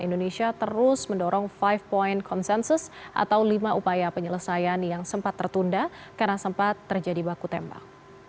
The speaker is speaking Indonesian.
indonesia terus mendorong five point consensus atau lima upaya penyelesaian yang sempat tertunda karena sempat terjadi baku tembak